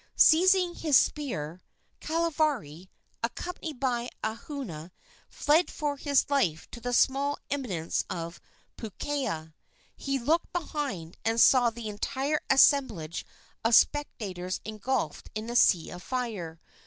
Seizing his spear, Kahavari, accompanied by Ahua, fled for his life to the small eminence of Puukea. He looked behind, and saw the entire assemblage of spectators engulfed in a sea of fire.